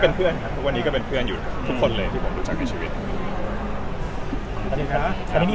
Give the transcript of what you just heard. เป็นเพื่อนครับทุกวันนี้ก็เป็นเพื่อนอยู่ทุกคนเลยที่ผมรู้จักในชีวิต